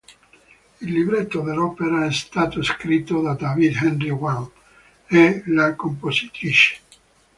Il libretto dell'opera è stato scritto da David Henry Hwang e la compositrice.